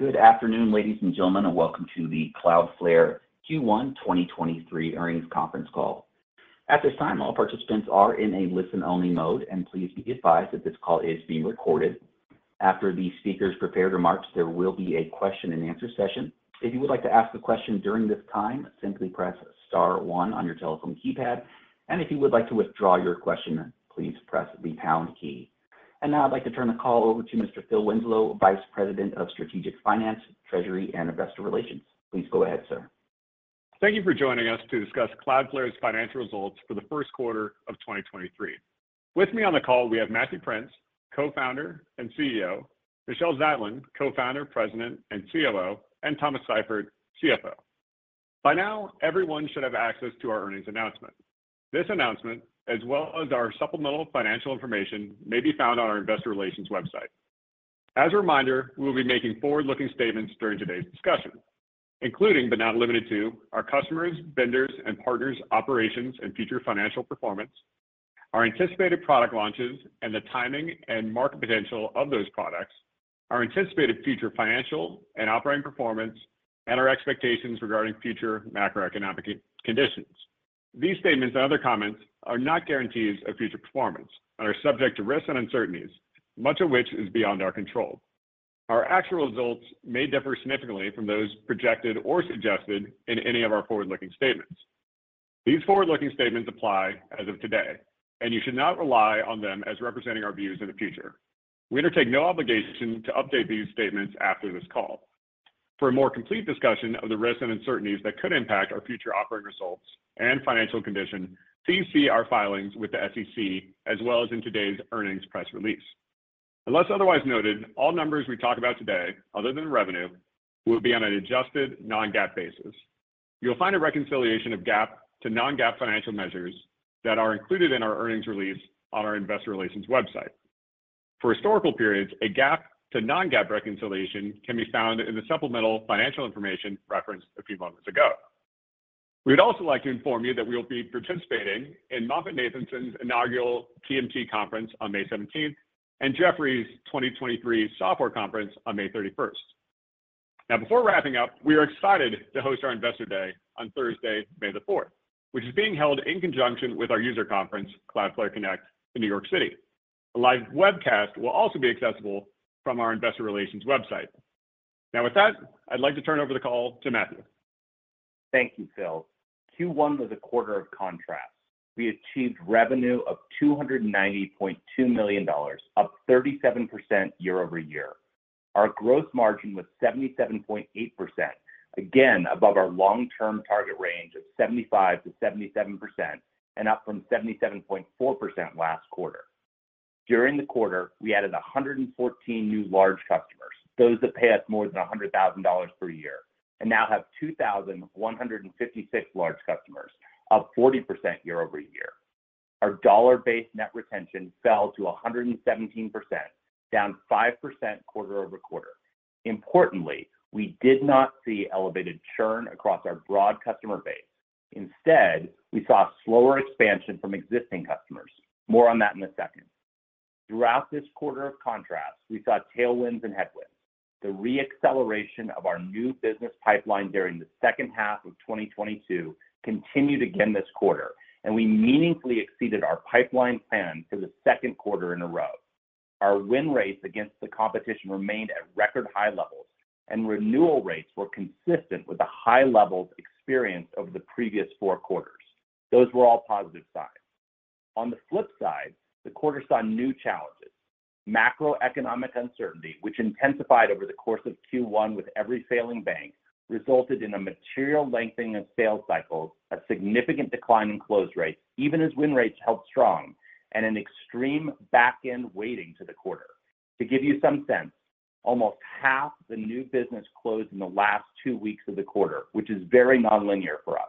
Good afternoon, ladies and gentlemen, and welcome to the Cloudflare Q1 2023 earnings conference call. At this time, all participants are in a listen-only mode, and please be advised that this call is being recorded. After the speakers' prepared remarks, there will be a question-and-answer session. If you would like to ask a question during this time, simply press star one on your telephone keypad, and if you would like to withdraw your question, please press the pound key. Now I'd like to turn the call over to Mr. Phil Winslow, Vice President of Strategic Finance, Treasury, and Investor Relations. Please go ahead, sir. Thank you for joining us to discuss Cloudflare's financial results for the first quarter of 2023. With me on the call, we have Matthew Prince, Co-founder and CEO, Michelle Zatlyn, Co-founder, President, and COO, and Thomas Seifert, CFO. By now, everyone should have access to our earnings announcement. This announcement, as well as our supplemental financial information, may be found on our investor relations website. As a reminder, we will be making forward-looking statements during today's discussion, including, but not limited to, our customers, vendors, and partners' operations and future financial performance, our anticipated product launches and the timing and market potential of those products, our anticipated future financial and operating performance, and our expectations regarding future macroeconomic conditions. These statements and other comments are not guarantees of future performance and are subject to risks and uncertainties, much of which is beyond our control. Our actual results may differ significantly from those projected or suggested in any of our forward-looking statements. These forward-looking statements apply as of today, and you should not rely on them as representing our views in the future. We undertake no obligation to update these statements after this call. For a more complete discussion of the risks and uncertainties that could impact our future operating results and financial condition, please see our filings with the SEC as well as in today's earnings press release. Unless otherwise noted, all numbers we talk about today, other than revenue, will be on an adjusted non-GAAP basis. You'll find a reconciliation of GAAP to non-GAAP financial measures that are included in our earnings release on our investor relations website. For historical periods, a GAAP to non-GAAP reconciliation can be found in the supplemental financial information referenced a few moments ago. We'd also like to inform you that we will be participating in MoffettNathanson's inaugural TMT conference on May seventeenth and Jefferies' 2023 Software Conference on May thirty-first. Now before wrapping up, we are excited to host our Investor Day on Thursday, May the fourth, which is being held in conjunction with our user conference, Cloudflare Connect, in New York City. A live webcast will also be accessible from our investor relations website. Now with that, I'd like to turn over the call to Matthew. Thank you, Phil. Q1 was a quarter of contrast. We achieved revenue of $290.2 million, up 37% year-over-year. Our growth margin was 77.8%, again above our long-term target range of 75%-77% and up from 77.4% last quarter. During the quarter, we added 114 new large customers, those that pay us more than $100,000 per year, and now have 2,156 large customers, up 40% year-over-year. Our dollar-based net retention fell to 117%, down 5% quarter-over-quarter. Importantly, we did not see elevated churn across our broad customer base. Instead, we saw slower expansion from existing customers. More on that in a second. Throughout this quarter of contrasts, we saw tailwinds and headwinds. The re-acceleration of our new business pipeline during the 2nd half of 2022 continued again this quarter, and we meaningfully exceeded our pipeline plan for the 2nd quarter in a row. Our win rates against the competition remained at record high levels, and renewal rates were consistent with the high levels experienced over the previous four quarters. Those were all positive signs. On the flip side, the quarter saw new challenges. Macroeconomic uncertainty, which intensified over the course of Q1 with every failing bank, resulted in a material lengthening of sales cycles, a significant decline in close rates even as win rates held strong, and an extreme back end weighting to the quarter. To give you some sense, almost half the new business closed in the last two weeks of the quarter, which is very nonlinear for us.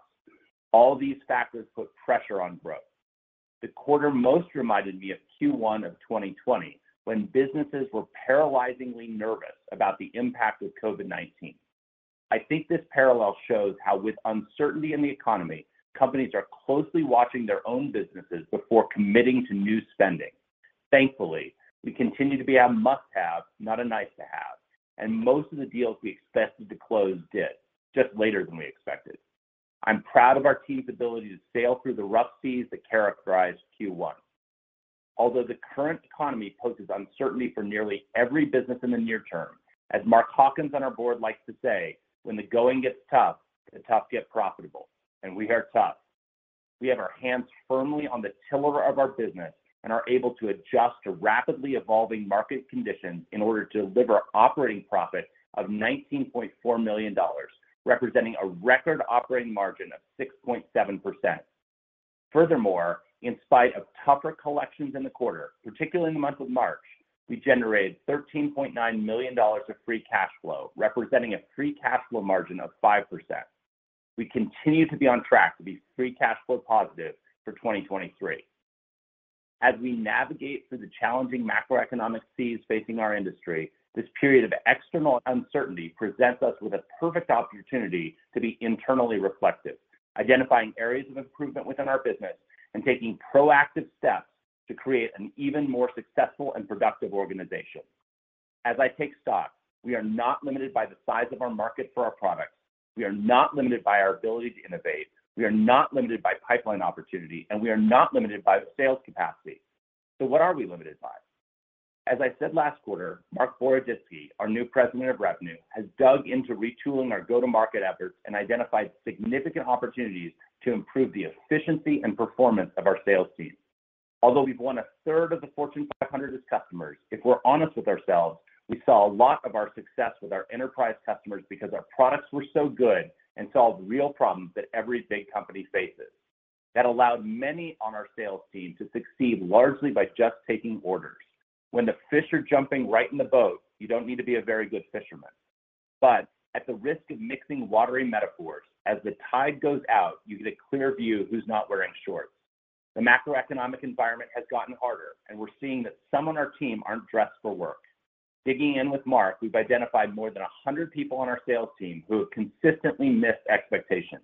All these factors put pressure on growth. The quarter most reminded me of Q1 of 2020, when businesses were paralyzingly nervous about the impact of COVID-19. I think this parallel shows how with uncertainty in the economy, companies are closely watching their own businesses before committing to new spending. Thankfully, we continue to be a must-have, not a nice-to-have. Most of the deals we expected to close did, just later than we expected. I'm proud of our team's ability to sail through the rough seas that characterized Q1. The current economy poses uncertainty for nearly every business in the near term, as Mark Hawkins on our board likes to say, "When the going gets tough, the tough get profitable," and we are tough. We have our hands firmly on the tiller of our business and are able to adjust to rapidly evolving market conditions in order to deliver operating profit of $19.4 million, representing a record operating margin of 6.7%. Furthermore, in spite of tougher collections in the quarter, particularly in the month of March, we generated $13.9 million of free cash flow, representing a free cash flow margin of 5%. We continue to be on track to be free cash flow positive for 2023. As we navigate through the challenging macroeconomic seas facing our industry, this period of external uncertainty presents us with a perfect opportunity to be internally reflective, identifying areas of improvement within our business and taking proactive steps to create an even more successful and productive organization. As I take stock, we are not limited by the size of our market for our products, we are not limited by our ability to innovate, we are not limited by pipeline opportunity, we are not limited by the sales capacity. What are we limited by? As I said last quarter, Marc Boroditsky, our new President of Revenue, has dug into retooling our go-to-market efforts and identified significant opportunities to improve the efficiency and performance of our sales team. Although we've won 1/3 of the Fortune 500 as customers, if we're honest with ourselves, we saw a lot of our success with our enterprise customers because our products were so good and solved real problems that every big company faces. That allowed many on our sales team to succeed largely by just taking orders. When the fish are jumping right in the boat, you don't need to be a very good fisherman. At the risk of mixing watery metaphors, as the tide goes out, you get a clear view of who's not wearing shorts. The macroeconomic environment has gotten harder, and we're seeing that some on our team aren't dressed for work. Digging in with Marc, we've identified more than 100 people on our sales team who have consistently missed expectations.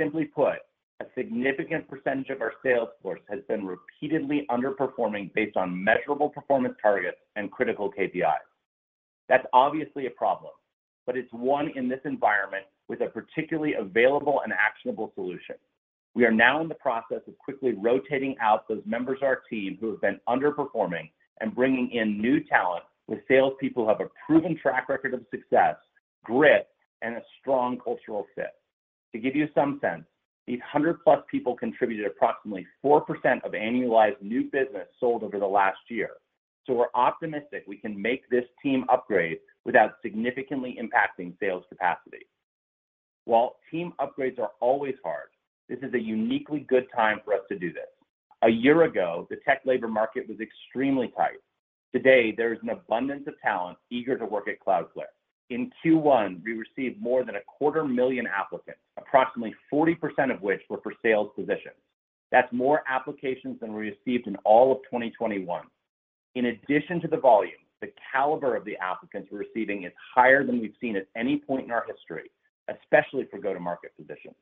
Simply put, a significant percentage of our sales force has been repeatedly underperforming based on measurable performance targets and critical KPIs. That's obviously a problem, but it's one in this environment with a particularly available and actionable solution. We are now in the process of quickly rotating out those members of our team who have been underperforming and bringing in new talent with salespeople who have a proven track record of success, grit, and a strong cultural fit. To give you some sense, these 100-plus people contributed approximately 4% of annualized new business sold over the last year. We're optimistic we can make this team upgrade without significantly impacting sales capacity. While team upgrades are always hard, this is a uniquely good time for us to do this. A year ago, the tech labor market was extremely tight. Today, there is an abundance of talent eager to work at Cloudflare. In Q1, we received more than a quarter million applicants, approximately 40% of which were for sales positions. That's more applications than we received in all of 2021. In addition to the volume, the caliber of the applicants we're receiving is higher than we've seen at any point in our history, especially for go-to-market positions.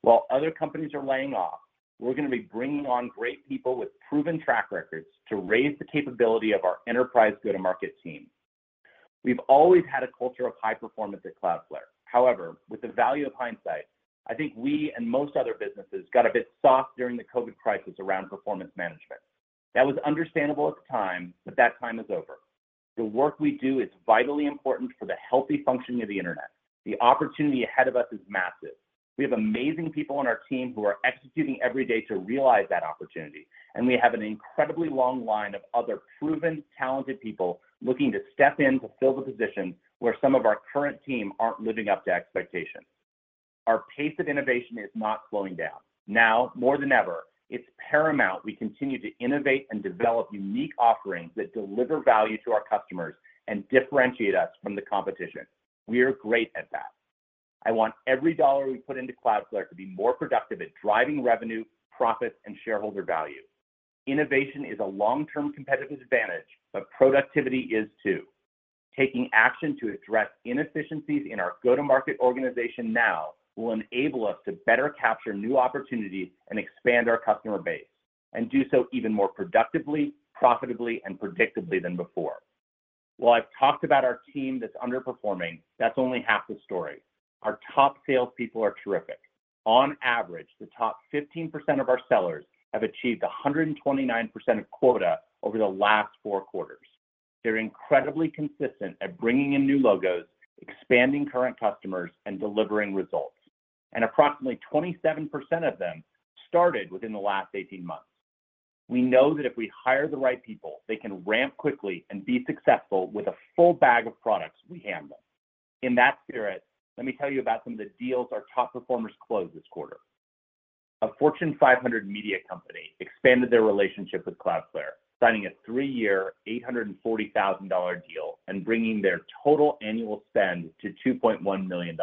While other companies are laying off, we're going to be bringing on great people with proven track records to raise the capability of our enterprise go-to-market team. We've always had a culture of high performance at Cloudflare. However, with the value of hindsight, I think we and most other businesses got a bit soft during the COVID crisis around performance management. That was understandable at the time, but that time is over. The work we do is vitally important for the healthy functioning of the Internet. The opportunity ahead of us is massive. We have amazing people on our team who are executing every day to realize that opportunity, and we have an incredibly long line of other proven, talented people looking to step in to fill the positions where some of our current team aren't living up to expectations. Our pace of innovation is not slowing down. Now more than ever, it's paramount we continue to innovate and develop unique offerings that deliver value to our customers and differentiate us from the competition. We are great at that. I want every dollar we put into Cloudflare to be more productive at driving revenue, profits, and shareholder value. Innovation is a long-term competitive advantage, but productivity is too. Taking action to address inefficiencies in our go-to-market organization now will enable us to better capture new opportunities and expand our customer base and do so even more productively, profitably, and predictably than before. While I've talked about our team that's underperforming, that's only half the story. Our top salespeople are terrific. On average, the top 15% of our sellers have achieved 129% of quota over the last four quarters. They're incredibly consistent at bringing in new logos, expanding current customers, and delivering results, and approximately 27% of them started within the last 18 months. We know that if we hire the right people, they can ramp quickly and be successful with the full bag of products we handle. In that spirit, let me tell you about some of the deals our top performers closed this quarter. A Fortune 500 media company expanded their relationship with Cloudflare, signing a 3-year, $840,000 deal and bringing their total annual spend to $2.1 million.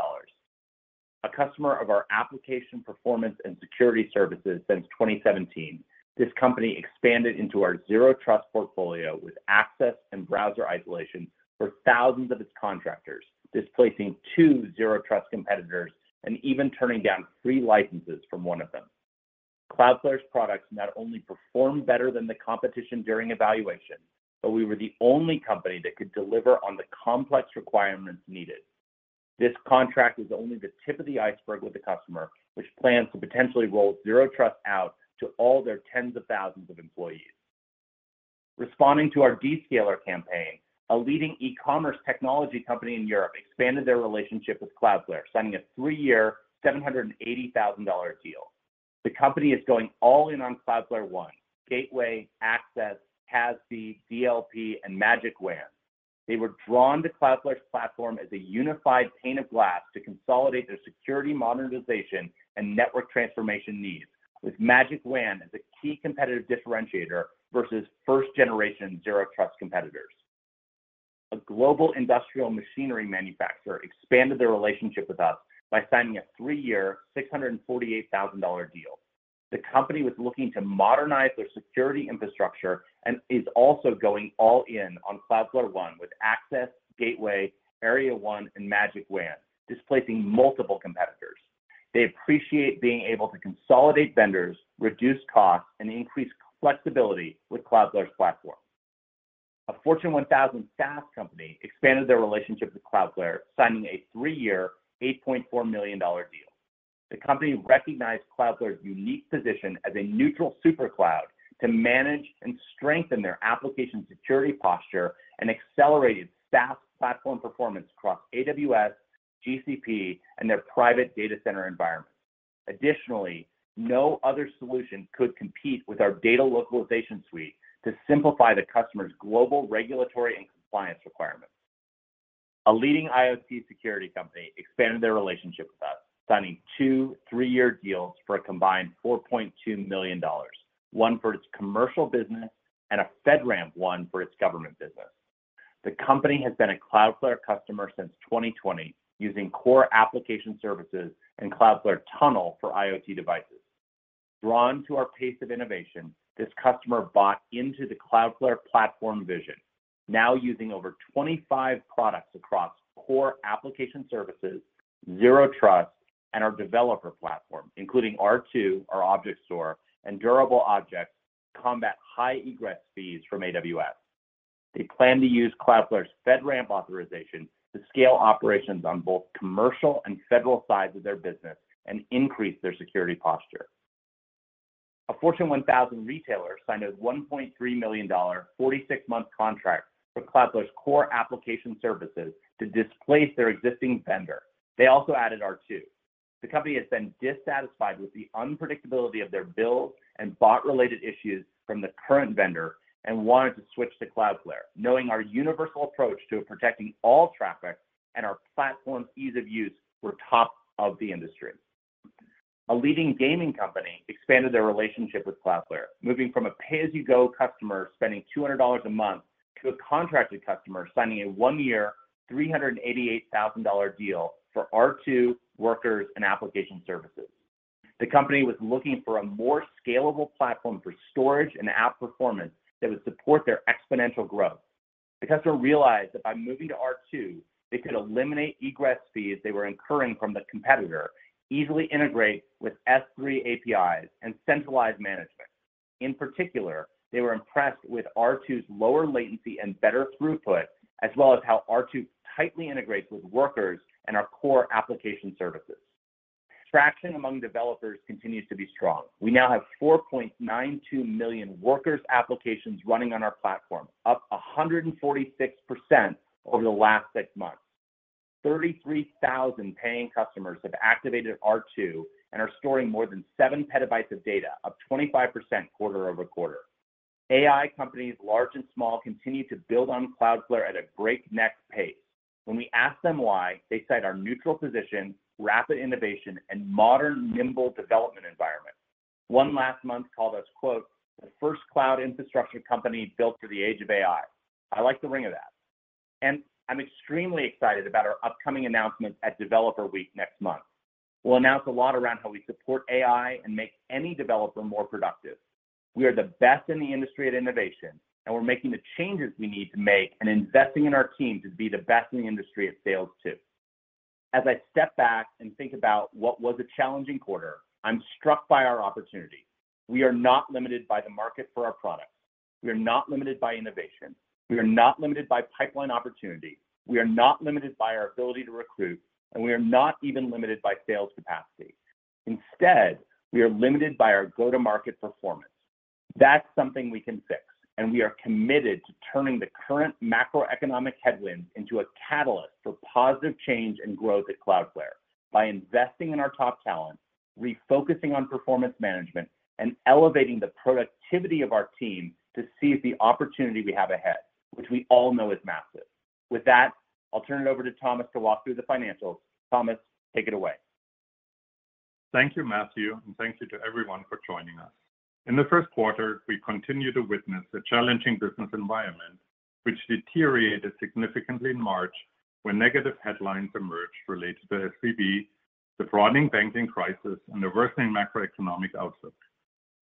A customer of our application, performance, and security services since 2017, this company expanded into our Zero Trust portfolio with Access and Browser Isolation for thousands of its contractors, displacing two Zero Trust competitors and even turning down free licenses from one of them. Cloudflare's products not only performed better than the competition during evaluation, but we were the only company that could deliver on the complex requirements needed. This contract is only the tip of the iceberg with the customer, which plans to potentially roll Zero Trust out to all their tens of thousands of employees. Responding to our Descaler campaign, a leading e-commerce technology company in Europe expanded their relationship with Cloudflare, signing a 3-year, $780,000 deal. The company is going all in on Cloudflare One, Gateway, Access, CASB, DLP, and Magic WAN. They were drawn to Cloudflare's platform as a unified pane of glass to consolidate their security modernization and network transformation needs, with Magic WAN as a key competitive differentiator versus first-generation Zero Trust competitors. A global industrial machinery manufacturer expanded their relationship with us by signing a 3-year, $648,000 deal. The company was looking to modernize their security infrastructure and is also going all in on Cloudflare One with Access, Gateway, Area 1, and Magic WAN, displacing multiple competitors. They appreciate being able to consolidate vendors, reduce costs, and increase flexibility with Cloudflare's platform. A Fortune 1000 SaaS company expanded their relationship with Cloudflare, signing a 3-year, $8.4 million deal. The company recognized Cloudflare's unique position as a neutral supercloud to manage and strengthen their application security posture and accelerated SaaS platform performance across AWS, GCP, and their private data center environment. Additionally, no other solution could compete with our Data Localization Suite to simplify the customer's global regulatory and compliance requirements. A leading IoT security company expanded their relationship with us, signing two three-year deals for a combined $4.2 million, one for its commercial business and a FedRAMP one for its government business. The company has been a Cloudflare customer since 2020, using core application services and Cloudflare Tunnel for IoT devices. Drawn to our pace of innovation, this customer bought into the Cloudflare platform vision, now using over 25 products across core application services, Zero Trust, and our developer platform, including R2, our object store, and Durable Objects to combat high egress fees from AWS. They plan to use Cloudflare's FedRAMP authorization to scale operations on both commercial and federal sides of their business and increase their security posture. A Fortune 1000 retailer signed a $1.3 million 46-month contract for Cloudflare's core application services to displace their existing vendor. They also added R2. The company has been dissatisfied with the unpredictability of their bills and bot-related issues from the current vendor and wanted to switch to Cloudflare, knowing our universal approach to protecting all traffic and our platform's ease of use were top of the industry. A leading gaming company expanded their relationship with Cloudflare, moving from a pay-as-you-go customer spending $200 a month to a contracted customer signing a one-year, $388,000 deal for R2 Workers and application services. The company was looking for a more scalable platform for storage and app performance that would support their exponential growth. The customer realized that by moving to R2, they could eliminate egress fees they were incurring from the competitor, easily integrate with S3 APIs, and centralize management. In particular, they were impressed with R2's lower latency and better throughput, as well as how R2 tightly integrates with Workers and our core application services. Traction among developers continues to be strong. We now have 4.92 million Workers' applications running on our platform, up 146% over the last six months. 33,000 paying customers have activated R2 and are storing more than 7 petabytes of data, up 25% quarter-over-quarter. AI companies large and small continue to build on Cloudflare at a breakneck pace. When we ask them why, they cite our neutral position, rapid innovation, and modern, nimble development environment. One last month called us, quote, "The first cloud infrastructure company built for the age of AI." I like the ring of that. I'm extremely excited about our upcoming announcements at Developer Week next month. We'll announce a lot around how we support AI and make any developer more productive. We are the best in the industry at innovation. We're making the changes we need to make and investing in our team to be the best in the industry at sales, too. As I step back and think about what was a challenging quarter, I'm struck by our opportunity. We are not limited by the market for our products. We are not limited by innovation. We are not limited by pipeline opportunity. We are not limited by our ability to recruit. We are not even limited by sales capacity. Instead, we are limited by our go-to-market performance. That's something we can fix, and we are committed to turning the current macroeconomic headwinds into a catalyst for positive change and growth at Cloudflare by investing in our top talent, refocusing on performance management, and elevating the productivity of our team to seize the opportunity we have ahead, which we all know is massive. With that, I'll turn it over to Thomas to walk through the financials. Thomas, take it away. Thank you, Matthew, and thank you to everyone for joining us. In the 1st quarter, we continued to witness a challenging business environment, which deteriorated significantly in March when negative headlines emerged related to SVB, the broadening banking crisis, and the worsening macroeconomic outlook.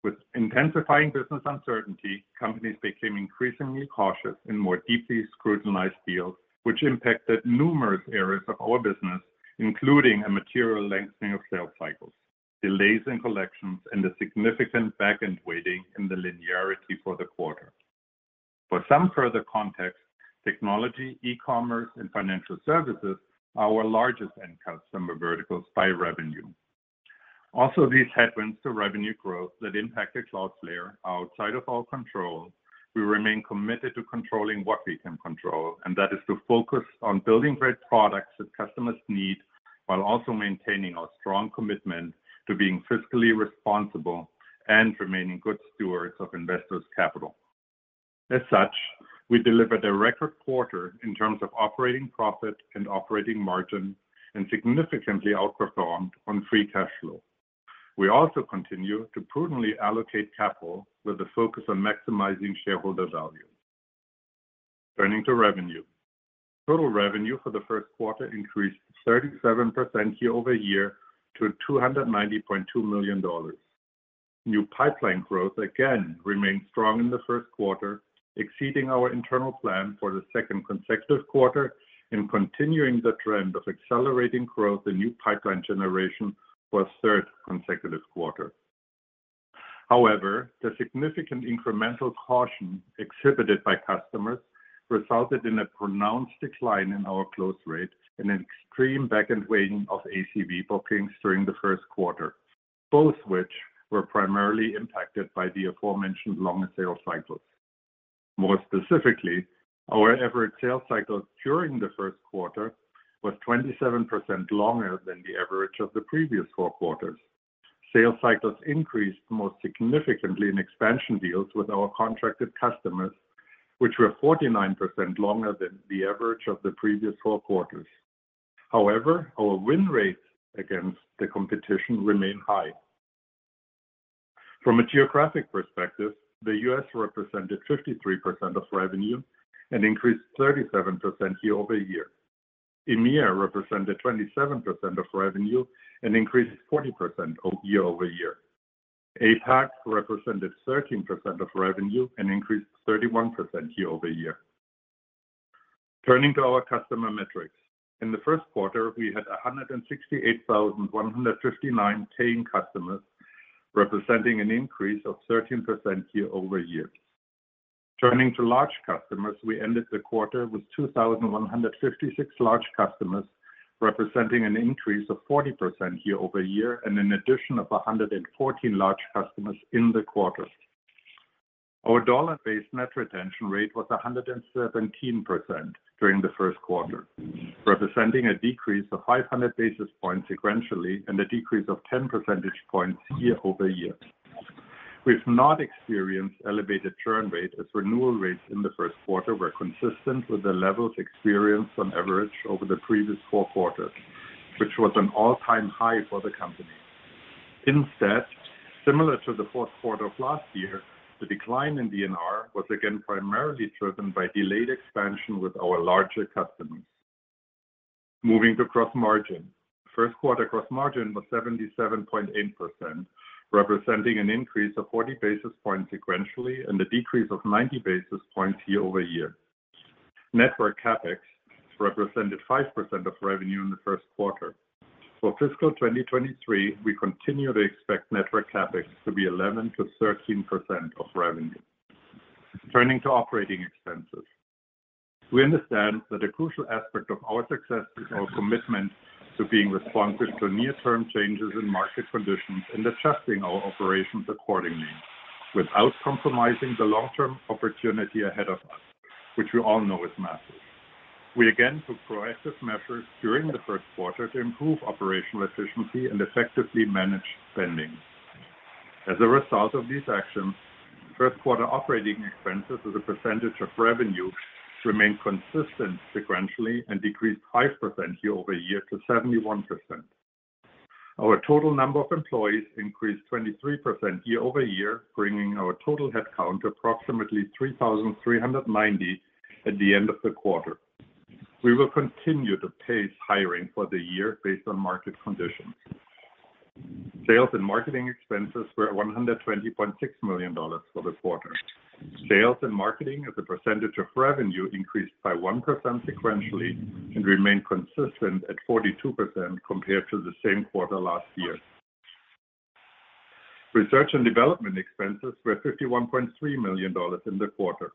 With intensifying business uncertainty, companies became increasingly cautious and more deeply scrutinized deals, which impacted numerous areas of our business, including a material lengthening of sales cycles, delays in collections, and a significant back-end weighting in the linearity for the quarter. For some further context, technology, e-commerce, and financial services are our largest end customer verticals by revenue. These headwinds to revenue growth that impacted Cloudflare are outside of our control. We remain committed to controlling what we can control, and that is to focus on building great products that customers need while also maintaining our strong commitment to being fiscally responsible and remaining good stewards of investors' capital. As such, we delivered a record quarter in terms of operating profit and operating margin and significantly outperformed on free cash flow. We also continue to prudently allocate capital with a focus on maximizing shareholder value. Turning to revenue. Total revenue for the first quarter increased 37% year-over-year to $290.2 million. New pipeline growth again remained strong in the first quarter, exceeding our internal plan for the second consecutive quarter and continuing the trend of accelerating growth in new pipeline generation for a third consecutive quarter. The significant incremental caution exhibited by customers resulted in a pronounced decline in our close rate and an extreme back-end weighting of ACV bookings during the first quarter, both which were primarily impacted by the aforementioned longer sales cycles. More specifically, our average sales cycles during the first quarter was 27% longer than the average of the previous four quarters. Sales cycles increased most significantly in expansion deals with our contracted customers, which were 49% longer than the average of the previous four quarters. Our win rates against the competition remain high. From a geographic perspective, the U.S. represented 53% of revenue and increased 37% year-over-year. EMEA represented 27% of revenue and increased 40% year-over-year. APAC represented 13% of revenue and increased 31% year-over-year. Turning to our customer metrics. In the first quarter, we had 168,159 paying customers, representing an increase of 13% year-over-year. Turning to large customers, we ended the quarter with 2,156 large customers, representing an increase of 40% year-over-year and an addition of 114 large customers in the quarter. Our dollar-based net retention rate was 117% during the first quarter, representing a decrease of 500 basis points sequentially and a decrease of 10 percentage points year-over-year. We've not experienced elevated churn rate as renewal rates in the first quarter were consistent with the levels experienced on average over the previous four quarters, which was an all-time high for the company. Instead, similar to the fourth quarter of last year, the decline in DNR was again primarily driven by delayed expansion with our larger customers. Moving to gross margin. First quarter gross margin was 77.8%, representing an increase of 40 basis points sequentially and a decrease of 90 basis points year-over-year. Network CapEx represented 5% of revenue in the first quarter. For fiscal 2023, we continue to expect network CapEx to be 11%-13% of revenue. Turning to operating expenses. We understand that a crucial aspect of our success is our commitment to being responsive to near-term changes in market conditions and adjusting our operations accordingly without compromising the long-term opportunity ahead of us, which we all know is massive. We again took proactive measures during the first quarter to improve operational efficiency and effectively manage spending. As a result of these actions, first quarter operating expenses as a percentage of revenue remained consistent sequentially and decreased 5% year-over-year to 71%. Our total number of employees increased 23% year-over-year, bringing our total headcount to approximately 3,390 at the end of the quarter. We will continue to pace hiring for the year based on market conditions. Sales and marketing expenses were $120.6 million for the quarter. Sales and marketing as a percentage of revenue increased by 1% sequentially and remained consistent at 42% compared to the same quarter last year. R&D expenses were $51.3 million in the quarter.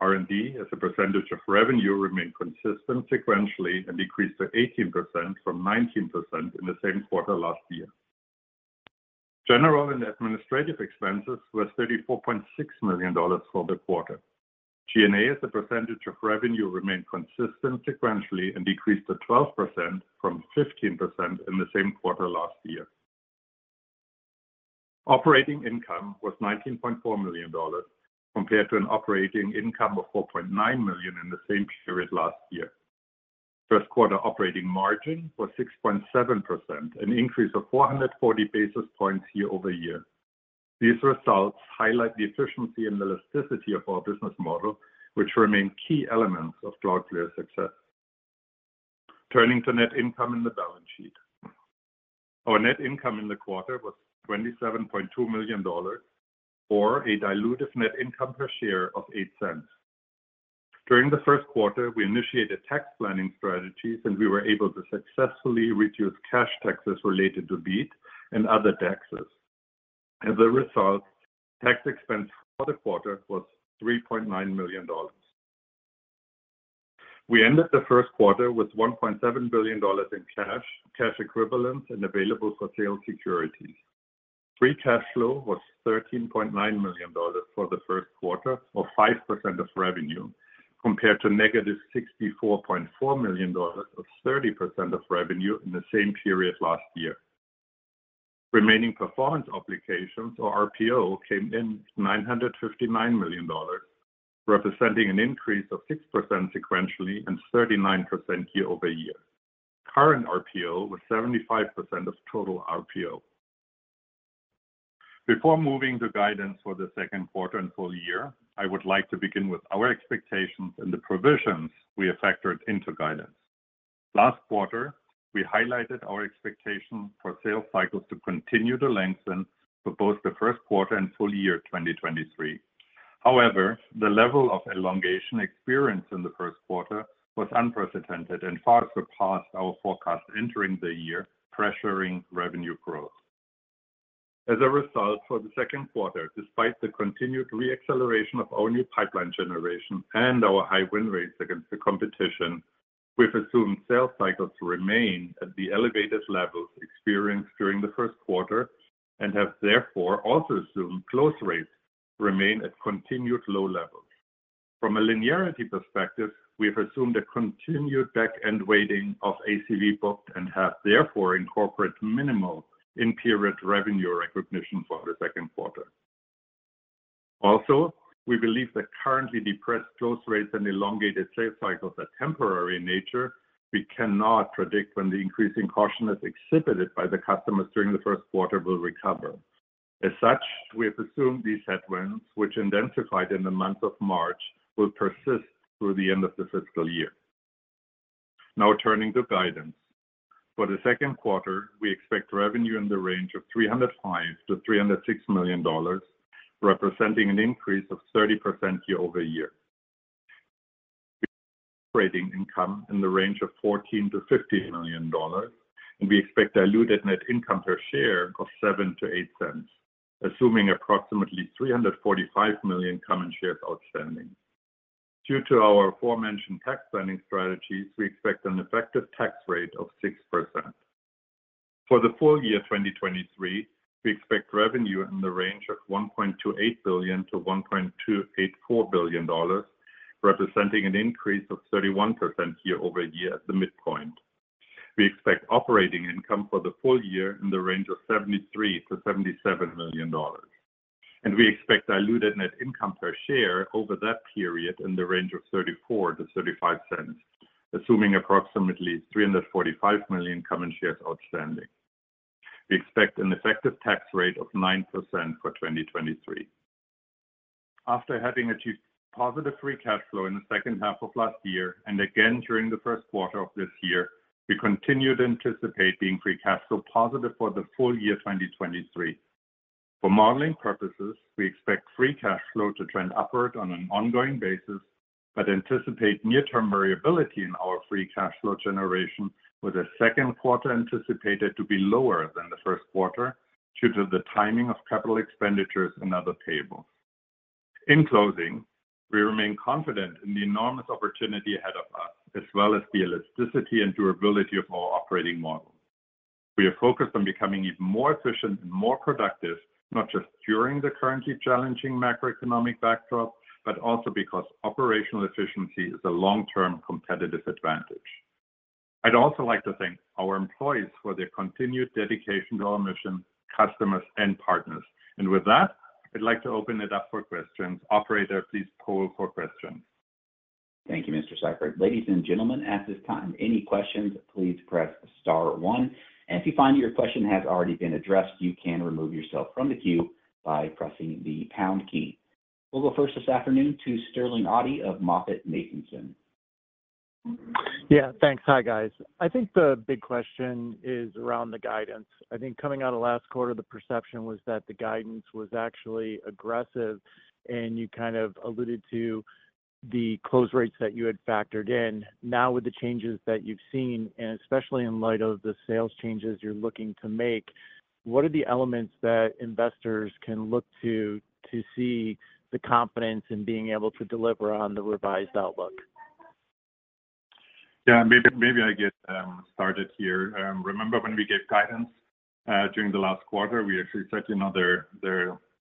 R&D as a percentage of revenue remained consistent sequentially and decreased to 18% from 19% in the same quarter last year. G&A expenses were $34.6 million for the quarter. G&A as a percentage of revenue remained consistent sequentially and decreased to 12% from 15% in the same quarter last year. Operating income was $19.4 million compared to an operating income of $4.9 million in the same period last year. First quarter operating margin was 6.7%, an increase of 440 basis points year-over-year. These results highlight the efficiency and the elasticity of our business model, which remain key elements of Cloudflare's success. Turning to net income and the balance sheet. Our net income in the quarter was $27.2 million, or a dilutive net income per share of $0.08. During the first quarter, we initiated tax planning strategies, and we were able to successfully reduce cash taxes related to BEAT and other taxes. As a result, tax expense for the quarter was $3.9 million. We ended the first quarter with $1.7 billion in cash equivalents, and available for sale securities. Free cash flow was $13.9 million for the first quarter, or 5% of revenue, compared to -$64.4 million of 30% of revenue in the same period last year. Remaining performance obligations or RPO came in $959 million, representing an increase of 6% sequentially and 39% year-over-year. Current RPO was 75% of total RPO. Before moving to guidance for the second quarter and full year, I would like to begin with our expectations and the provisions we have factored into guidance. Last quarter, we highlighted our expectation for sales cycles to continue to lengthen for both the first quarter and full year 2023. However, the level of elongation experience in the first quarter was unprecedented and far surpassed our forecast entering the year, pressuring revenue growth. As a result, for the second quarter, despite the continued re-acceleration of our new pipeline generation and our high win rates against the competition, we've assumed sales cycles remain at the elevated levels experienced during the first quarter and have therefore also assumed close rates remain at continued low levels. From a linearity perspective, we have assumed a continued back-end weighting of ACV booked and have therefore incorporate minimal in-period revenue recognition for the second quarter. We believe that currently depressed close rates and elongated sales cycles are temporary in nature. We cannot predict when the increasing caution is exhibited by the customers during the first quarter will recover. As such, we have assumed these headwinds, which intensified in the month of March, will persist through the end of the fiscal year. Now turning to guidance. For the second quarter, we expect revenue in the range of $305 million-$306 million, representing an increase of 30% year-over-year. Operating income in the range of $14 million-$15 million, and we expect diluted net income per share of $0.07-$0.08, assuming approximately 345 million common shares outstanding. Due to our aforementioned tax planning strategies, we expect an effective tax rate of 6%. For the full year 2023, we expect revenue in the range of $1.28 billion-$1.284 billion, representing an increase of 31% year-over-year at the midpoint. We expect operating income for the full year in the range of $73 million-$77 million. We expect diluted net income per share over that period in the range of $0.34-$0.35, assuming approximately 345 million common shares outstanding. We expect an effective tax rate of 9% for 2023. After having achieved positive free cash flow in the second half of last year and again during the first quarter of this year, we continue to anticipate being free cash flow positive for the full year 2023. For modeling purposes, we expect free cash flow to trend upward on an ongoing basis, but anticipate near-term variability in our free cash flow generation, with the 2nd quarter anticipated to be lower than the 1st quarter due to the timing of CapEx and other payables. In closing, we remain confident in the enormous opportunity ahead of us, as well as the elasticity and durability of our operating model. We are focused on becoming even more efficient and more productive, not just during the currently challenging macroeconomic backdrop, but also because operational efficiency is a long-term competitive advantage. I'd also like to thank our employees for their continued dedication to our mission, customers, and partners. With that, I'd like to open it up for questions. Operator, please poll for questions. Thank you, Mr. Seifert. Ladies and gentlemen, at this time, any questions, please press star one. If you find your question has already been addressed, you can remove yourself from the queue by pressing the pound key. We'll go first this afternoon to Sterling Auty of MoffettNathanson. Yeah. Thanks. Hi, guys. I think the big question is around the guidance. I think coming out of last quarter, the perception was that the guidance was actually aggressive, and you kind of alluded to the close rates that you had factored in. Now, with the changes that you've seen, and especially in light of the sales changes you're looking to make, what are the elements that investors can look to to see the confidence in being able to deliver on the revised outlook? Yeah, maybe I get started here. Remember when we gave guidance during the last quarter, we actually said, you know,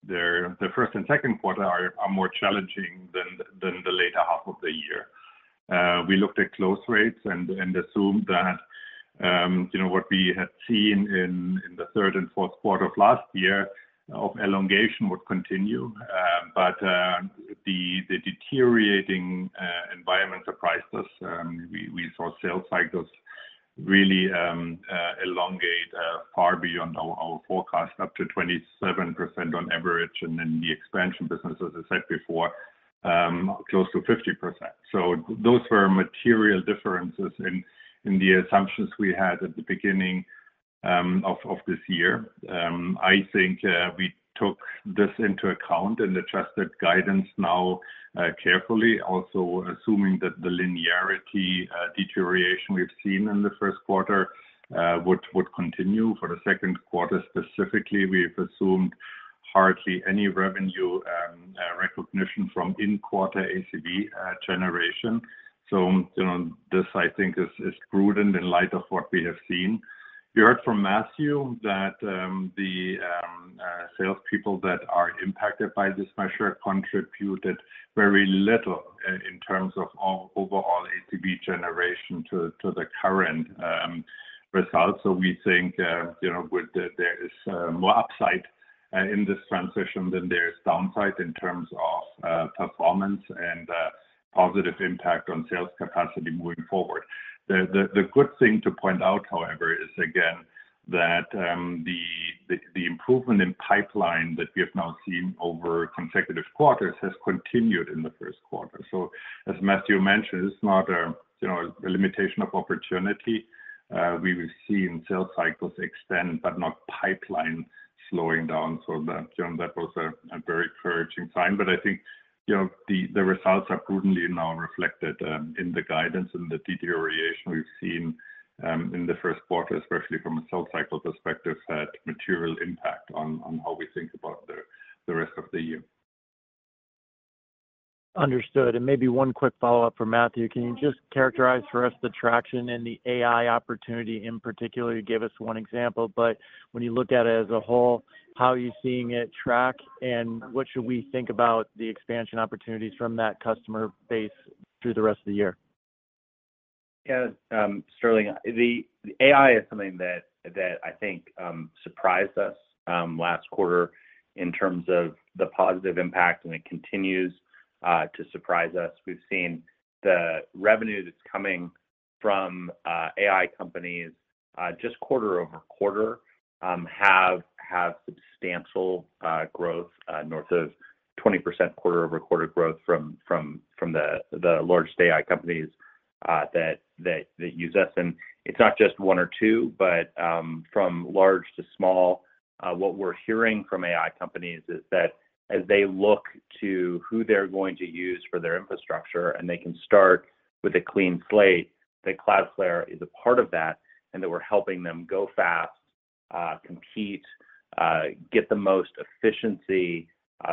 the first and second quarter are more challenging than the later half of the year. We looked at close rates and assumed that, you know, what we had seen in the third and fourth quarter of last year of elongation would continue. The deteriorating environment surprised us. We saw sales cycles really elongate far beyond our forecast, up to 27% on average. The expansion business, as I said before, close to 50%. Those were material differences in the assumptions we had at the beginning of this year. I think we took this into account and adjusted guidance now, carefully. Also assuming that the linearity deterioration we've seen in the first quarter would continue. For the second quarter specifically, we've assumed hardly any revenue recognition from in-quarter ACV generation. You know, this, I think, is prudent in light of what we have seen. You heard from Matthew that the salespeople that are impacted by this measure contributed very little in terms of overall ACV generation to the current results. We think, you know, there is more upside in this transition than there is downside in terms of performance and positive impact on sales capacity moving forward. The good thing to point out, however, is again that the improvement in pipeline that we have now seen over consecutive quarters has continued in the first quarter. As Matthew mentioned, it's not, you know, a limitation of opportunity. We've seen sales cycles extend but not pipeline slowing down, that, you know, was a very encouraging sign. I think, you know, the results are prudently now reflected in the guidance and the deterioration we've seen in the first quarter, especially from a sales cycle perspective, had material impact on how we think about the rest of the year. Understood. Maybe one quick follow-up for Matthew. Can you just characterize for us the traction and the AI opportunity in particular? You gave us one example, but when you look at it as a whole, how are you seeing it track, and what should we think about the expansion opportunities from that customer base through the rest of the year? Yeah. Sterling, the AI is something that I think surprised us last quarter in terms of the positive impact, and it continues to surprise us. We've seen the revenue that's coming from AI companies just quarter-over-quarter have substantial growth north of 20% quarter-over-quarter growth from the large AI companies that use us. It's not just one or two, but from large to small, what we're hearing from AI companies is that as they look to who they're going to use for their infrastructure, and they can start with a clean slate, that Cloudflare is a part of that and that we're helping them go fast, compete, get the most efficiency,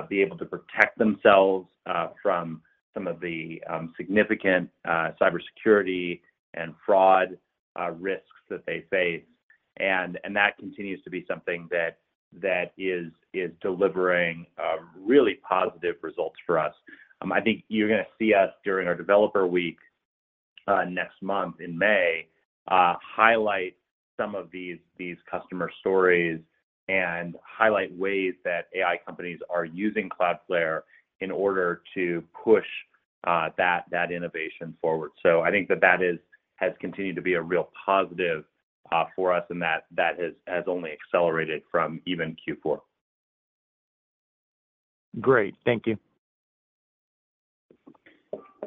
be able to protect themselves from some of the significant cybersecurity and fraud risks that they face. That continues to be something that is delivering really positive results for us. I think you're gonna see us during our Developer Week next month in May, highlight some of these customer stories and highlight ways that AI companies are using Cloudflare in order to push that innovation forward. I think that has continued to be a real positive, for us, and that has only accelerated from even Q4. Great. Thank you.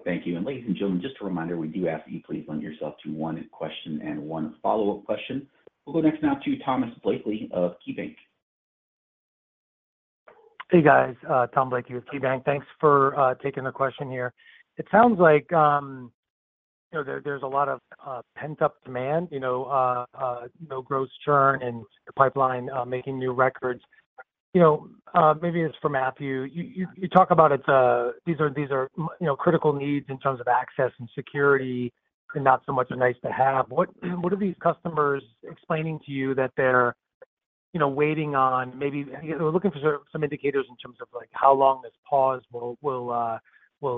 Thank you. Ladies and gentlemen, just a reminder, we do ask that you please limit yourself to one question and one follow-up question. We'll go next now to Tom Blakey of KeyBanc. Hey, guys. Tom Blakey with KeyBanc. Thanks for taking the question here. It sounds like, you know, there's a lot of pent-up demand, you know, no gross churn and your pipeline making new records. You know, maybe it's for Matthew. You talk about it's, these are, you know, critical needs in terms of Access and security and not so much nice to have. What are these customers explaining to you that they're, you know, waiting on? We're looking for some indicators in terms of, like, how long this pause will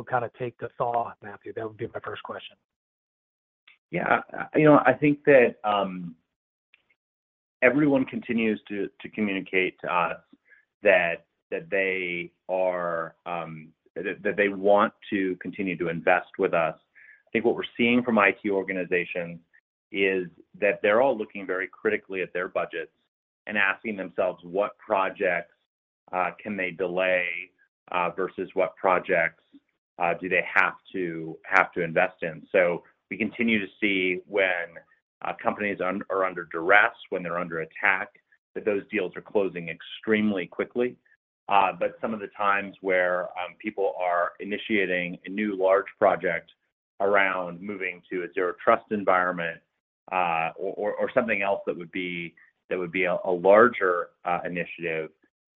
kind of take to thaw, Matthew. That would be my first question. Yeah. You know, I think that everyone continues to communicate to us that they are that they want to continue to invest with us. I think what we're seeing from IT organizations is that they're all looking very critically at their budgets and asking themselves what projects can they delay versus what projects do they have to invest in. We continue to see when companies are under duress, when they're under attack, that those deals are closing extremely quickly. Some of the times where people are initiating a new large project around moving to a Zero Trust environment, or something else that would be a larger initiative,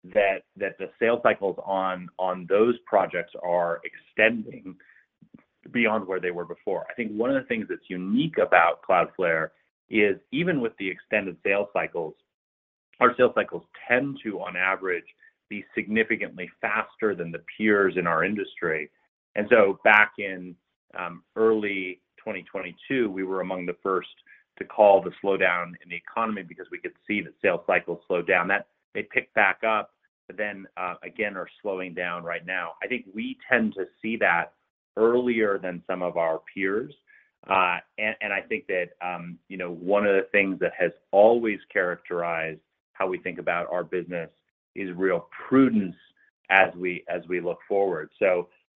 that the sales cycles on those projects are extending beyond where they were before. I think one of the things that's unique about Cloudflare is even with the extended sales cycles, our sales cycles tend to, on average, be significantly faster than the peers in our industry. Back in early 2022, we were among the first to call the slowdown in the economy because we could see the sales cycle slow down. They picked back up, again are slowing down right now. I think we tend to see that earlier than some of our peers. I think that, you know, one of the things that has always characterized how we think about our business is real prudence as we look forward.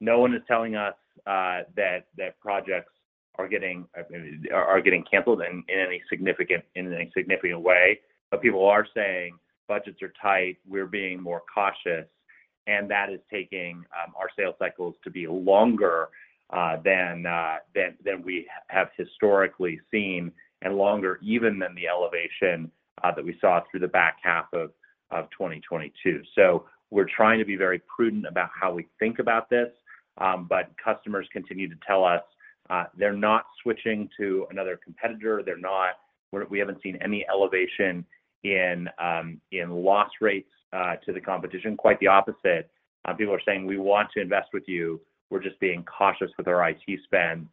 No one is telling us that projects are getting canceled in any significant way. People are saying budgets are tight, we're being more cautious, and that is taking our sales cycles to be longer than we have historically seen and longer even than the elevation that we saw through the back half of 2022. We're trying to be very prudent about how we think about this, but customers continue to tell us they're not switching to another competitor. We haven't seen any elevation in loss rates to the competition. Quite the opposite. People are saying, "We want to invest with you. We're just being cautious with our IT spend."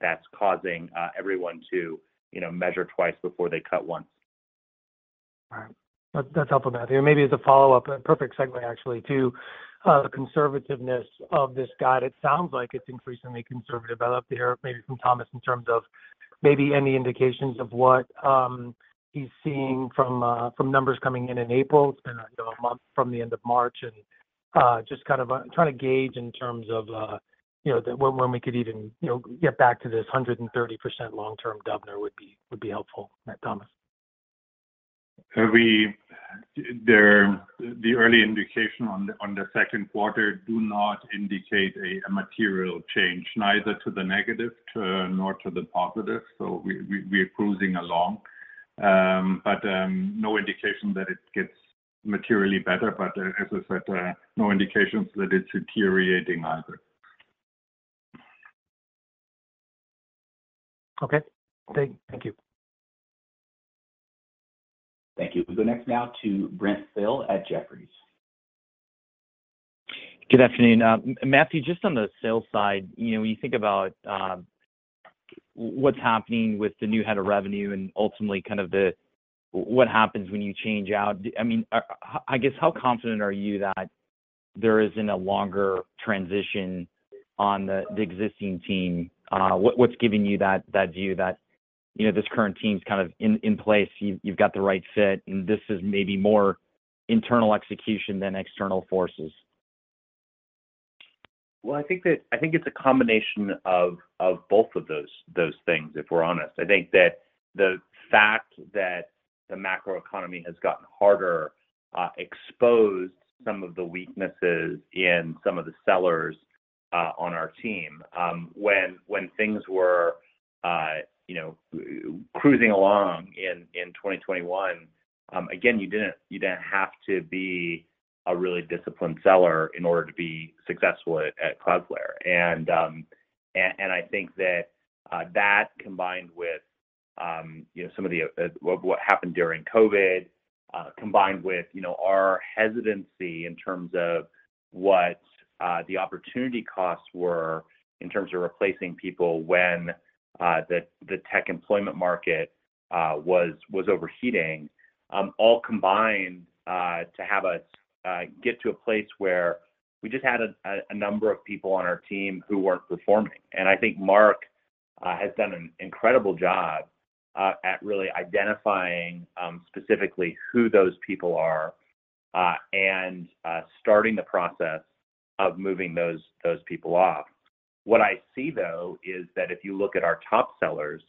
That's causing everyone to, you know, measure twice before they cut once. All right. That's, that's helpful, Matthew. Maybe as a follow-up, a perfect segue, actually, to the conservativeness of this guide. It sounds like it's increasingly conservative out there, maybe from Thomas, in terms of maybe any indications of what he's seeing from from numbers coming in in April. It's been a month from the end of March, and just kind of trying to gauge in terms of, you know, when we could even, you know, get back to this 130% long-term goal number would be, would be helpful. Thomas? The early indication on the second quarter do not indicate a material change, neither to the negative nor to the positive. We're cruising along. No indication that it gets materially better. As I said, no indications that it's deteriorating either. Okay. Thank you. Thank you. We go next now to Brent Thill at Jefferies. Good afternoon. Matthew, just on the sales side, you know, when you think about what's happening with the new head of revenue and ultimately kind of the what happens when you change out. I mean, I guess how confident are you that there isn't a longer transition on the existing team? What's giving you that view that, you know, this current team's kind of in place, you've got the right fit, and this is maybe more internal execution than external forces? Well, I think that it's a combination of both of those things, if we're honest. I think that the fact that the macro economy has gotten harder, exposed some of the weaknesses in some of the sellers on our team. When things were, you know, cruising along in 2021, again, you didn't have to be a really disciplined seller in order to be successful at Cloudflare. I think that combined with, you know, some of the... what happened during COVID, combined with, you know, our hesitancy in terms of what the opportunity costs were in terms of replacing people when the tech employment market was overheating, all combined to have us get to a place where we just had a number of people on our team who weren't performing. And I think Marc has done an incredible job at really identifying specifically who those people are, and starting the process of moving those people off. What I see, though, is that if you look at our top sellers,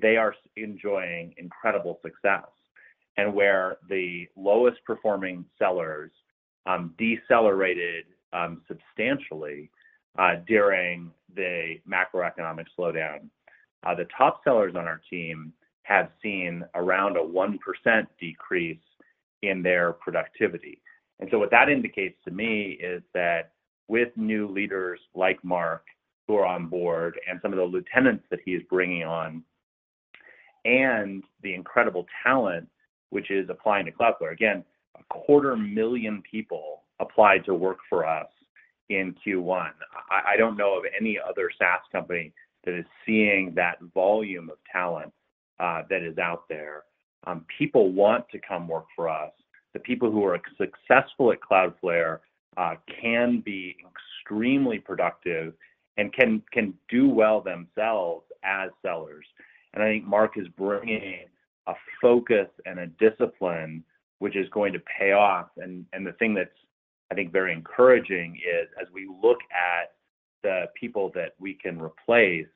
they are enjoying incredible success. And where the lowest performing sellers decelerated substantially during the macroeconomic slowdown, the top sellers on our team have seen around a 1% decrease in their productivity. What that indicates to me is that with new leaders like Marc, who are on board, and some of the lieutenants that he is bringing on, and the incredible talent which is applying to Cloudflare. Again, a quarter million people applied to work for us in Q1. I don't know of any other SaaS company that is seeing that volume of talent that is out there. People want to come work for us. The people who are successful at Cloudflare can be extremely productive and can do well themselves as sellers. I think Marc is bringing a focus and a discipline which is going to pay off. The thing that's, I think, very encouraging is as we look at the people that we can replace,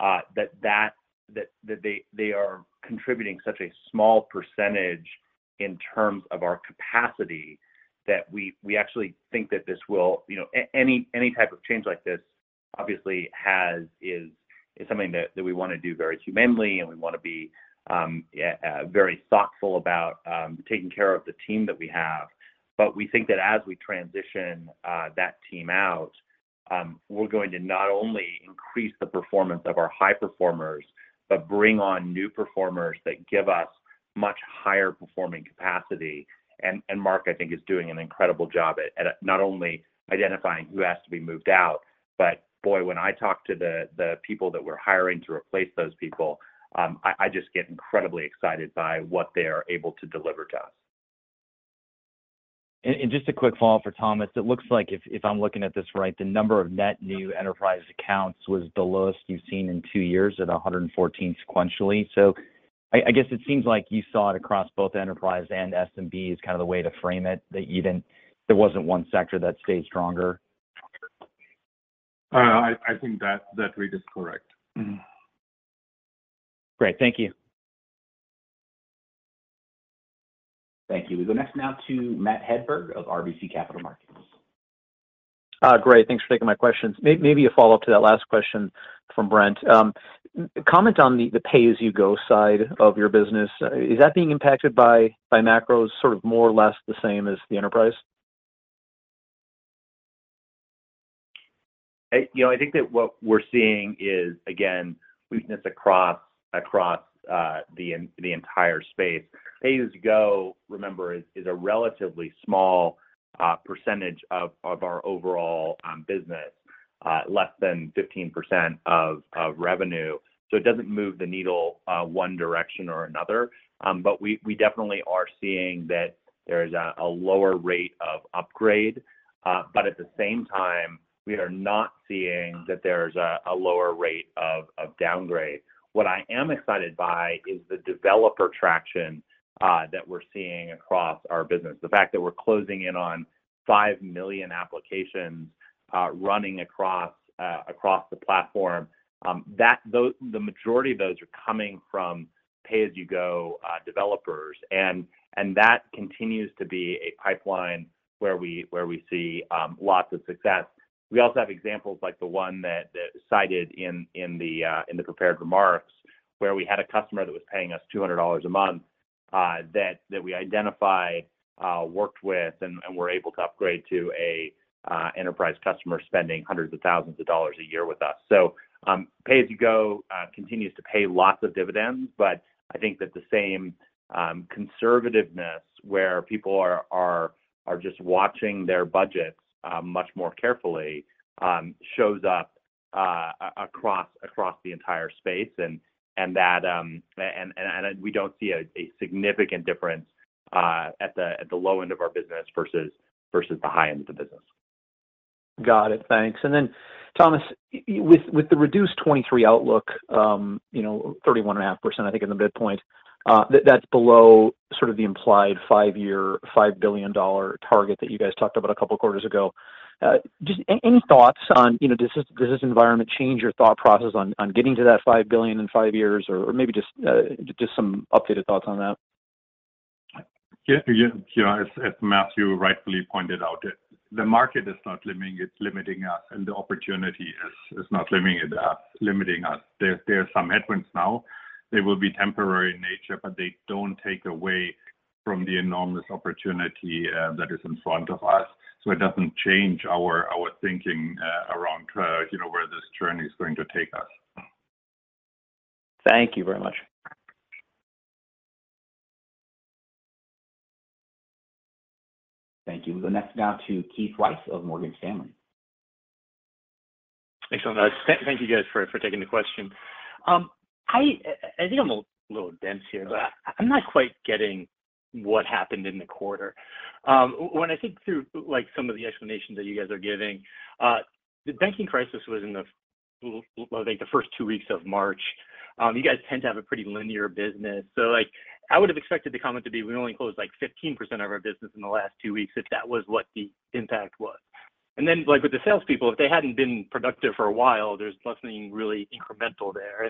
that they are contributing such a small percentage in terms of our capacity that we actually think that this will. You know, any type of change like this obviously is something that we wanna do very humanely, and we wanna be very thoughtful about taking care of the team that we have. We think that as we transition that team out, we're going to not only increase the performance of our high performers, but bring on new performers that give us much higher performing capacity. Mark, I think, is doing an incredible job at not only identifying who has to be moved out, but boy, when I talk to the people that we're hiring to replace those people, I just get incredibly excited by what they are able to deliver to us. Just a quick follow-up for Thomas. It looks like if I'm looking at this right, the number of net new enterprise accounts was the lowest you've seen in two years at 114 sequentially. I guess it seems like you saw it across both enterprise and SMB is kind of the way to frame it, that even there wasn't one sector that stayed stronger. I think that read is correct. Great. Thank you. Thank you. We go next now to Matt Hedberg of RBC Capital Markets. Great. Thanks for taking my questions. maybe a follow-up to that last question from Brent. Comment on the pay-as-you-go side of your business. Is that being impacted by macros sort of more or less the same as the enterprise? You know, I think that what we're seeing is, again, weakness across the entire space. Pay-as-you-go is a relatively small percentage of our overall business, less than 15% of revenue. it doesn't move the needle one direction or another. We definitely are seeing that there is a lower rate of upgrade. At the same time, we are not seeing that there's a lower rate of downgrade. What I am excited by is the developer traction that we're seeing across our business. The fact that we're closing in on 5 million applications running across the platform, the majority of those are coming from pay-as-you-go developers. That continues to be a pipeline where we see lots of success. We also have examples like the one that cited in the prepared remarks, where we had a customer that was paying us $200 a month that we identify worked with and were able to a enterprise customer spending $hundreds of thousands a year with us. Pay-as-you-go continues to pay lots of dividends, but I think that the same conservativeness where people are just watching their budgets much more carefully shows up across the entire space. That and we don't see a significant difference at the low end of our business versus the high end of the business. Got it. Thanks. Then Thomas, with the reduced 2023 outlook, you know, 31.5%, I think in the midpoint, that's below sort of the implied 5-year, $5 billion target that you guys talked about a couple of quarters ago. Just any thoughts on, you know, does this environment change your thought process on getting to that $5 billion in five years? Maybe just some updated thoughts on that. Yeah. You know, as Matthew rightfully pointed out, the market is not limiting, it's limiting us, and the opportunity is not limiting it, limiting us. There are some headwinds now. They will be temporary in nature, but they don't take away from the enormous opportunity that is in front of us. It doesn't change our thinking around, you know, where this journey is going to take us. Thank you very much. Thank you. We'll go next now to Keith Weiss of Morgan Stanley. Thanks so much. Thank you guys for taking the question. I think I'm a little dense here, but I'm not quite getting what happened in the quarter. When I think through, like, some of the explanations that you guys are giving, the banking crisis was in the well, I think the first two weeks of March. You guys tend to have a pretty linear business. So, like, I would have expected the comment to be, we only closed, like, 15% of our business in the last two weeks, if that was what the impact was. Then, like, with the salespeople, if they hadn't been productive for a while, there's nothing really incremental there.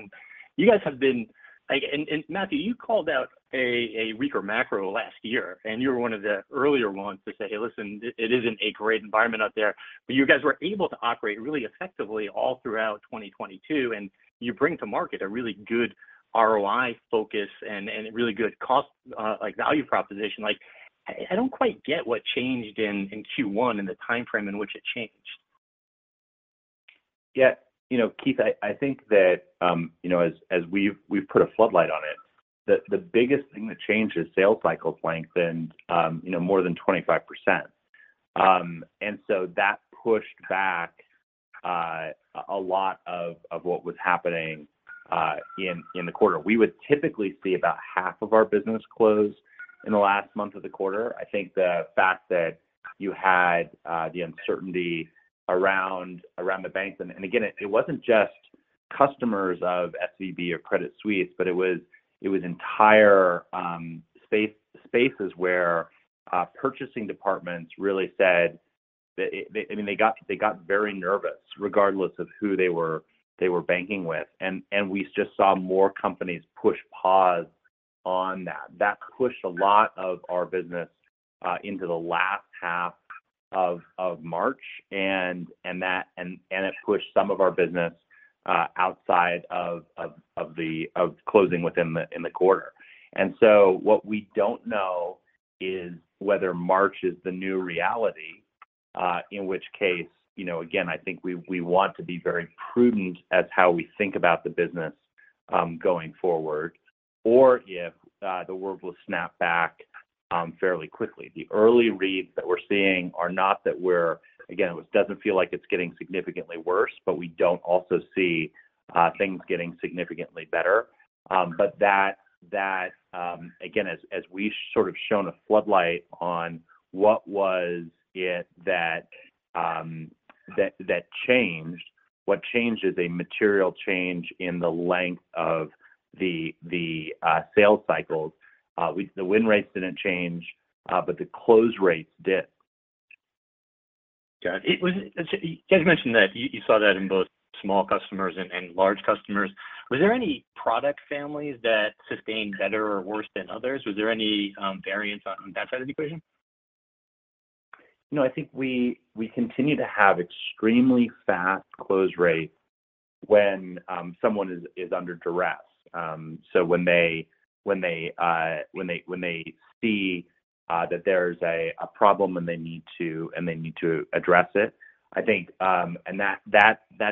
Like, and Matthew, you called out a weaker macro last year, and you were one of the earlier ones to say, "Hey, listen, it isn't a great environment out there." You guys were able to operate really effectively all throughout 2022, and you bring to market a really good ROI focus and a really good cost, like, value proposition. Like, I don't quite get what changed in Q1 and the timeframe in which it changed. Yeah. You know, Keith, I think that, you know, as we've put a floodlight on it, the biggest thing that changed is sales cycles lengthened, you know, more than 25%. That pushed back a lot of what was happening in the quarter. We would typically see about half of our business close in the last month of the quarter. I think the fact that you had the uncertainty around the banks, again, it wasn't just customers of SVB or Credit Suisse, but it was entire spaces where purchasing departments really said they. I mean, they got very nervous regardless of who they were, they were banking with. We just saw more companies push pause on that. That pushed a lot of our business into the last half of March, and that, and it pushed some of our business outside of closing within the quarter. What we don't know is whether March is the new reality, in which case, you know, again, I think we want to be very prudent as how we think about the business, going forward, or if the world will snap back fairly quickly. The early reads that we're seeing are not that we're. Again, it doesn't feel like it's getting significantly worse, but we don't also see things getting significantly better. That, again, as we sort of shone a floodlight on what was it that changed, what changed is a material change in the length of the sales cycles. The win rates didn't change, but the close rates did. Got it. You guys mentioned that you saw that in both small customers and large customers. Was there any product families that sustained better or worse than others? Was there any variance on that side of the equation? No, I think we continue to have extremely fast close rates when someone is under duress. When they see that there's a problem and they need to address it, I think, and that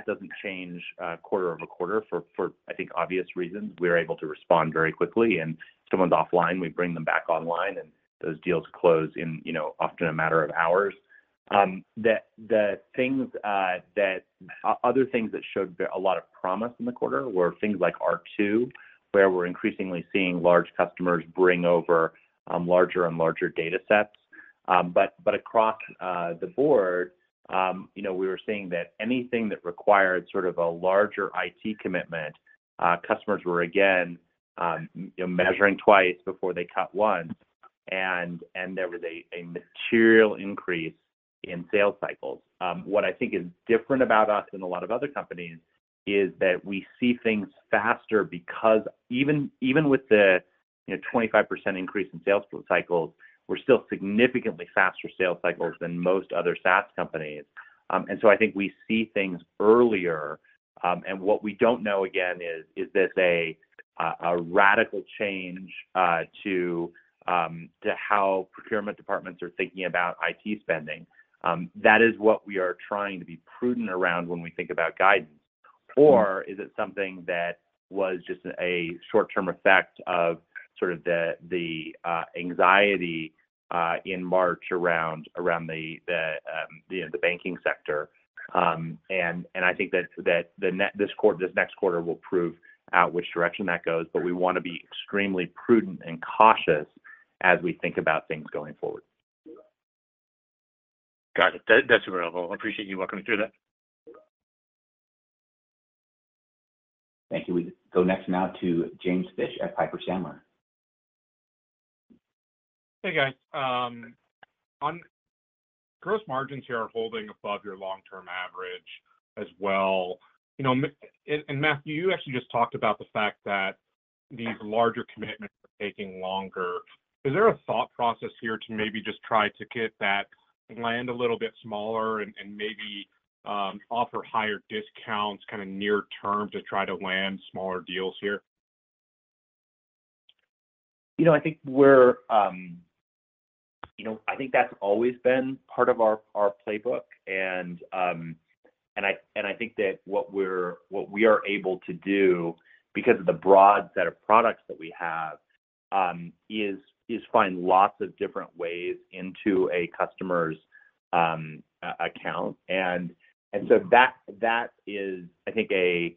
doesn't change quarter-over-quarter for obvious reasons. We're able to respond very quickly. If someone's offline, we bring them back online, and those deals close in, you know, often a matter of hours. The other things that showed a lot of promise in the quarter were things like R2, where we're increasingly seeing large customers bring over larger and larger datasets. Across the board, we were seeing that anything that required sort of a larger IT commitment, customers were measuring twice before they cut once. There was a material increase in sales cycles. What I think is different about us than a lot of other companies is that we see things faster because even with the 25% increase in sales cycles, we're still significantly faster sales cycles than most other SaaS companies. I think we see things earlier, and what we don't know again is this a radical change to how procurement departments are thinking about IT spending? That is what we are trying to be prudent around when we think about guidance. Is it something that was just a short-term effect of sort of the anxiety in March around the, you know, the banking sector. I think that this next quarter will prove out which direction that goes, but we wanna be extremely prudent and cautious as we think about things going forward. Got it. That's available. I appreciate you walking me through that. Thank you. We go next now to James Fish at Piper Sandler. Hey, guys. on gross margins here are holding above your long-term average as well. You know, and Matthew, you actually just talked about the fact that these larger commitments are taking longer. Is there a thought process here to maybe just try to get that land a little bit smaller and maybe, offer higher discounts kinda near term to try to land smaller deals here? You know, I think we're, you know, I think that's always been part of our playbook and I think that what we are able to do because of the broad set of products that we have, is find lots of different ways into a customer's account. That is, I think, a.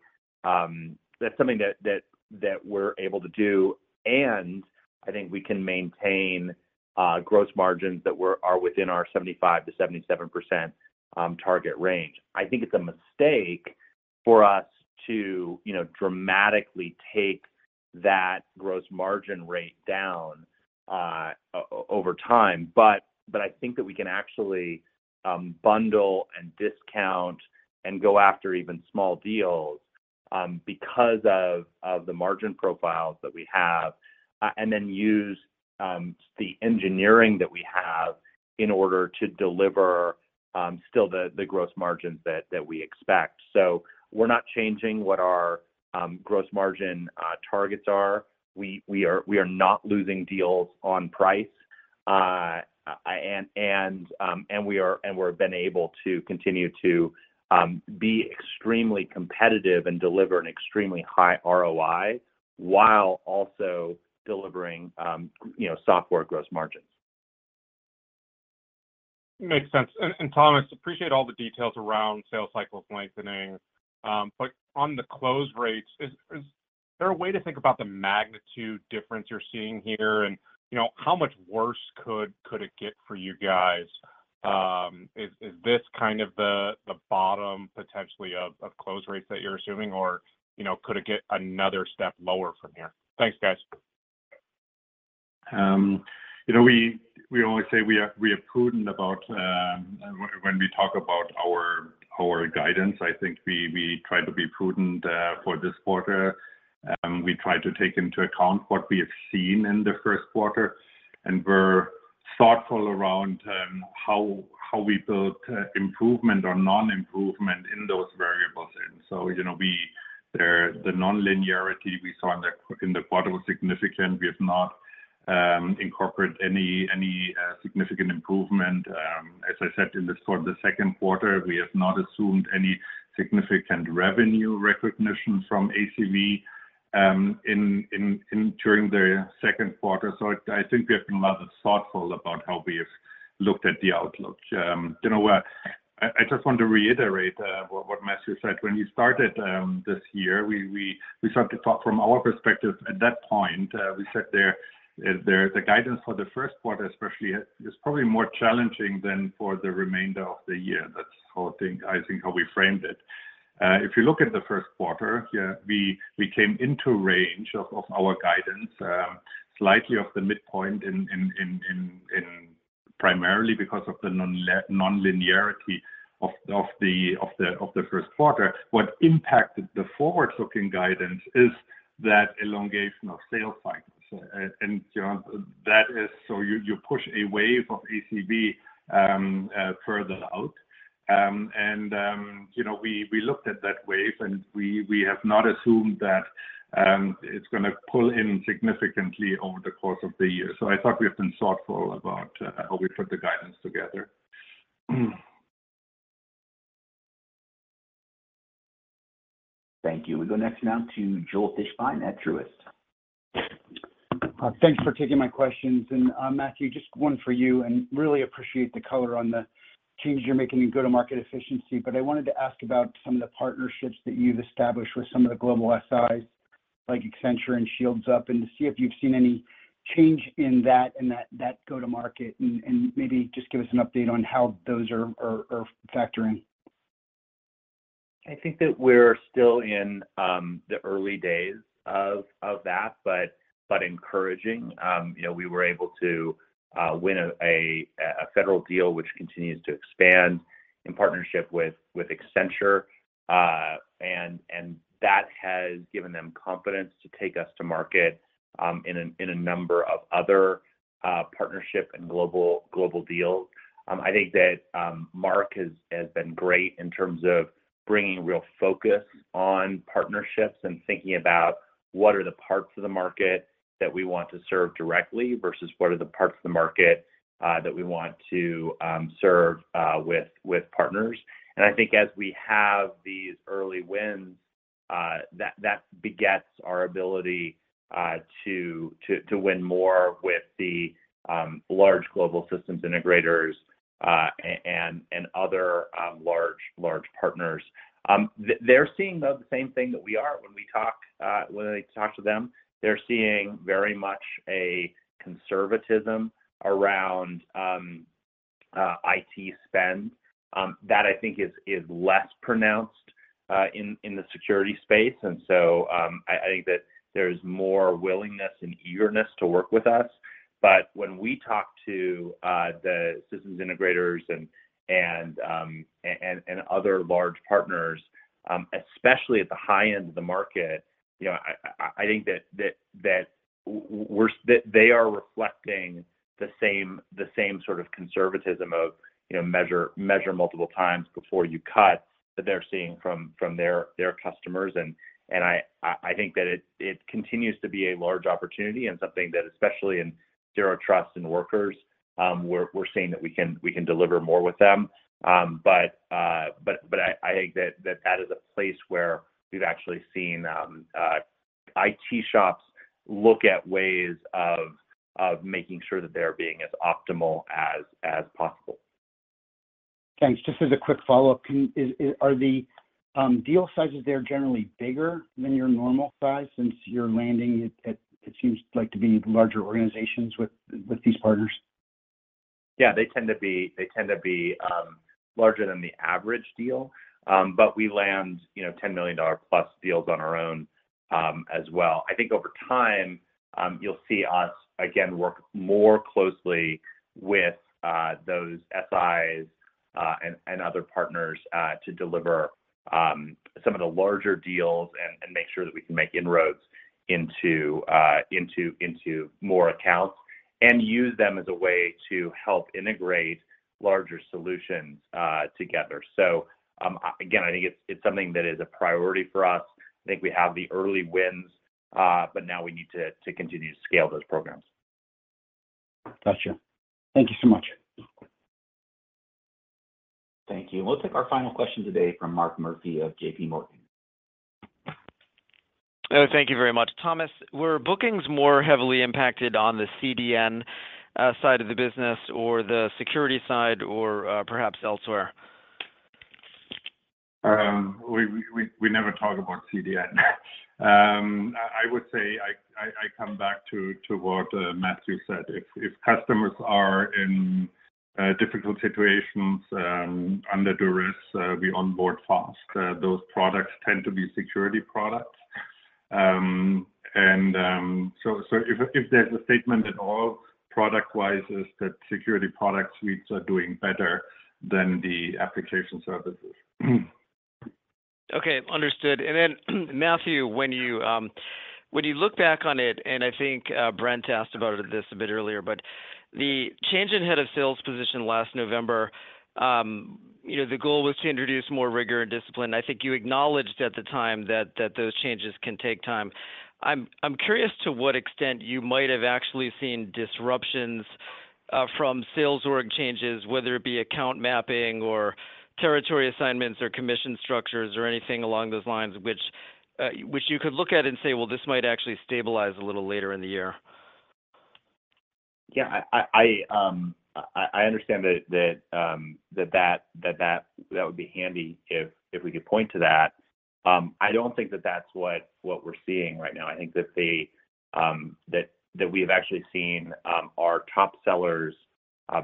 That's something that we're able to do, and I think we can maintain gross margins that are within our 75%-77% target range. I think it's a mistake for us to, you know, dramatically take that gross margin rate down over time, but I think that we can actually bundle and discount and go after even small deals, because of the margin profiles that we have, and then use the engineering that we have in order to deliver still the gross margins that we expect. We're not changing what our gross margin targets are. We are not losing deals on price. And we've been able to continue to be extremely competitive and deliver an extremely high ROI, while also delivering, you know, software gross margins. Makes sense. Thomas, appreciate all the details around sales cycles lengthening. On the close rates, is there a way to think about the magnitude difference you're seeing here? You know, how much worse could it get for you guys? Is this kind of the bottom potentially of close rates that you're assuming or, you know, could it get another step lower from here? Thanks, guys. you know, we always say we are prudent about when we talk about our guidance. I think we try to be prudent for this quarter. We try to take into account what we have seen in the first quarter, and we're thoughtful around how we build improvement or non-improvement in those variables. you know, we. The nonlinearity we saw in the quarter was significant. We have not incorporate any significant improvement. as I said, for the second quarter, we have not assumed any significant revenue recognition from ACV during the second quarter. I think we have been rather thoughtful about how we have looked at the outlook. You know, I just want to reiterate what Matthew said. When we started this year, we started to talk from our perspective at that point. We said there the guidance for the first quarter especially is probably more challenging than for the remainder of the year. That's how I think how we framed it. If you look at the first quarter, yeah, we came into range of our guidance, slightly off the midpoint in primarily because of the nonlinearity of the first quarter. What impacted the forward-looking guidance is that elongation of sales cycles. You know, that is. You push a wave of ACV further out. You know, we looked at that wave, and we have not assumed that, it's gonna pull in significantly over the course of the year. I thought we have been thoughtful about how we put the guidance together. Thank you. We go next now to Joel Fishbein at Truist. Thanks for taking my questions. Matthew, just one for you, and really appreciate the color on the changes you're making in go-to-market efficiency. I wanted to ask about some of the partnerships that you've established with some of the global SIs, like Accenture and Shields Up, and to see if you've seen any change in that go to market, and maybe just give us an update on how those are factoring. I think that we're still in the early days of that, but encouraging. You know, we were able to win a federal deal which continues to expand in partnership with Accenture. That has given them confidence to take us to market in a number of other partnership and global deals. I think that Marc has been great in terms of bringing real focus on partnerships and thinking about what are the parts of the market that we want to serve directly versus what are the parts of the market that we want to serve with partners. I think as we have these early wins, that begets our ability to win more with the large global systems integrators, and other large partners. They're seeing though the same thing that we are when I talk to them. They're seeing very much a conservatism around IT spend that I think is less pronounced in the security space. I think that there's more willingness and eagerness to work with us. When we talk to the systems integrators and other large partners, especially at the high end of the market, you know, I think that they are reflecting the same sort of conservatism of, you know, measure multiple times before you cut that they're seeing from their customers. I think that it continues to be a large opportunity and something that, especially in Zero Trust and Workers, we're seeing that we can deliver more with them. I think that is a place where we've actually seen IT shops look at ways of making sure that they're being as optimal as possible. Thanks. Just as a quick follow-up, Are the deal sizes there generally bigger than your normal size since you're landing at, it seems like to be larger organizations with these partners? Yeah. They tend to be larger than the average deal. We land, you know, $10 million+ deals on our own as well. I think over time, you'll see us again work more closely with those SIs and other partners to deliver some of the larger deals and make sure that we can make inroads into more accounts and use them as a way to help integrate larger solutions together. Again, I think it's something that is a priority for us. I think we have the early wins, but now we need to continue to scale those programs. Gotcha. Thank you so much. Thank you. We'll take our final question today from Mark Murphy of JPMorgan. Oh, thank you very much. Thomas, were bookings more heavily impacted on the CDN side of the business or the security side or perhaps elsewhere? We never talk about CDN. I would say I come back to what Matthew said. If customers are in difficult situations, under duress, we onboard fast. Those products tend to be security products. If there's a statement at all product-wise is that security product suites are doing better than the application services. Okay. Understood. Matthew, when you when you look back on it, and I think Brent asked about this a bit earlier, but the change in head of sales position last November, you know, the goal was to introduce more rigor and discipline. I think you acknowledged at the time that those changes can take time. I'm curious to what extent you might have actually seen disruptions from sales org changes, whether it be account mapping or territory assignments or commission structures or anything along those lines which you could look at and say, "Well, this might actually stabilize a little later in the year. Yeah. I understand that that would be handy if we could point to that. I don't think that that's what we're seeing right now. I think that the that we've actually seen our top sellers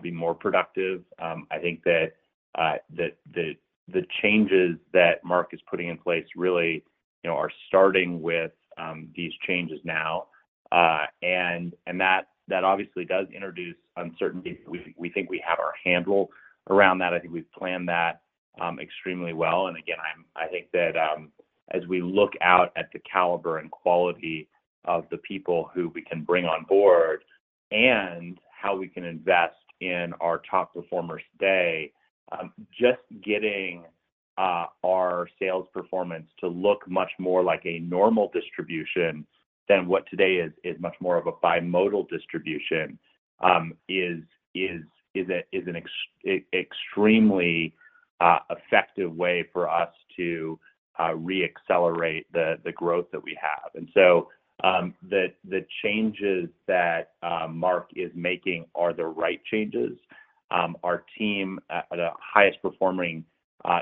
be more productive. I think that the changes that Marc is putting in place really, you know, are starting with these changes now. That obviously does introduce uncertainty. We think we have our handle around that. I think we've planned that extremely well. I think that, as we look out at the caliber and quality of the people who we can bring on board and how we can invest in our top performers stay, just getting our sales performance to look much more like a normal distribution than what today is much more of a bimodal distribution, is an extremely effective way for us to re-accelerate the growth that we have. The changes that Marc is making are the right changes. Our team, the highest performing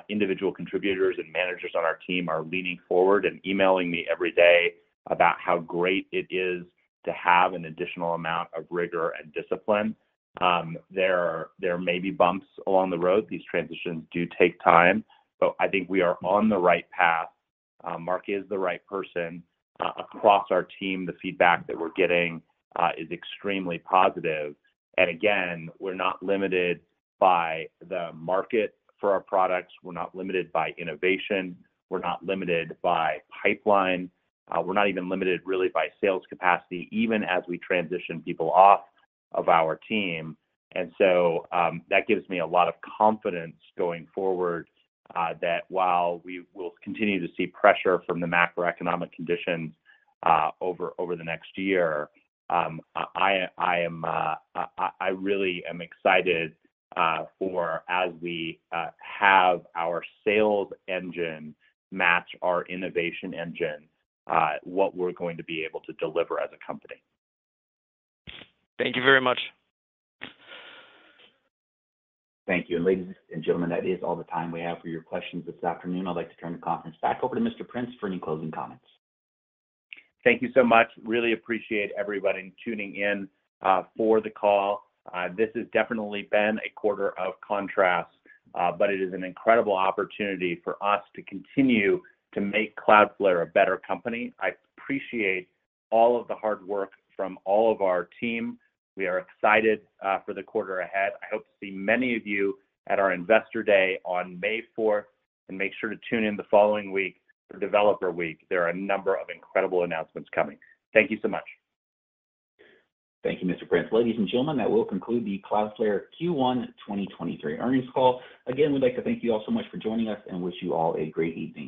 individual contributors and managers on our team are leaning forward and emailing me every day about how great it is to have an additional amount of rigor and discipline. There may be bumps along the road. These transitions do take time, but I think we are on the right path. Marc is the right person. Across our team, the feedback that we're getting is extremely positive. Again, we're not limited by the market for our products. We're not limited by innovation. We're not limited by pipeline. We're not even limited really by sales capacity, even as we transition people off of our team. That gives me a lot of confidence going forward, that while we will continue to see pressure from the macroeconomic conditions over the next year, I am, I really am excited for as we have our sales engine match our innovation engine, what we're going to be able to deliver as a company. Thank you very much. Thank you. Ladies and gentlemen, that is all the time we have for your questions this afternoon. I'd like to turn the conference back over to Mr. Prince for any closing comments. Thank you so much. Really appreciate everybody tuning in for the call. This has definitely been a quarter of contrast, but it is an incredible opportunity for us to continue to make Cloudflare a better company. I appreciate all of the hard work from all of our team. We are excited for the quarter ahead. I hope to see many of you at our Investor Day on May fourth. Make sure to tune in the following week for Developer Week. There are a number of incredible announcements coming. Thank you so much. Thank you, Mr. Prince. Ladies and gentlemen, that will conclude the Cloudflare Q1 2023 earnings call. Again, we'd like to thank you all so much for joining us and wish you all a great evening.